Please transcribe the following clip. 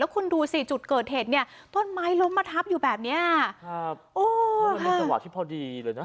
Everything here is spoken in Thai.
แล้วคุณดูสิจุดเกิดเหตุเนี่ยต้นไม้ล้มมาทับอยู่แบบนี้